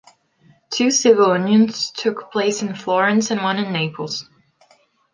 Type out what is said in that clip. Two civil unions took place in Florence and one in Naples.